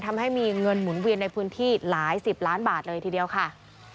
ทำให้มีเงินหมุนเวียนในพื้นที่หลายสิบล้านบาทเลยทีเดียวค่ะ